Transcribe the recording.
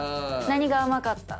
何が甘かった。